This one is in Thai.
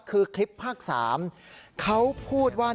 คือคลิปภาค๓เขาพูดว่า